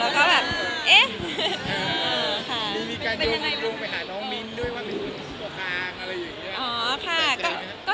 แล้วก็แบบเอก